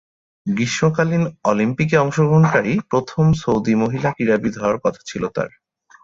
গ্রীষ্মকালীন অলিম্পিকে অংশগ্রহণকারী প্রথম সৌদি মহিলা ক্রীড়াবিদ হওয়ার কথা ছিল তার।